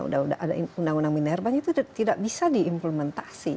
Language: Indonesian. sudah ada undang undang minervan itu tidak bisa diimplementasi